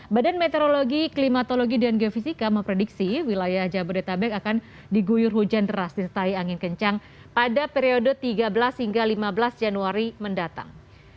badan meteorologi klimatologi dan geofisika memprediksi wilayah jabodetabek akan diguyur hujan deras disertai angin kencang pada periode tiga belas hingga lima belas januari mendatang